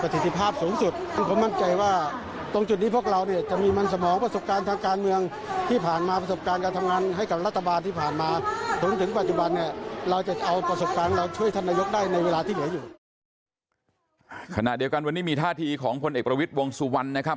ทางเดียวกันวันนี้มีทาทีของโพรเอกประวิทย์วงศีลวัณญ์นะครับ